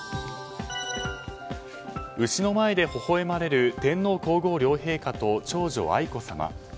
牛の前でほほ笑まれる天皇・皇后両陛下と長女・愛子さま。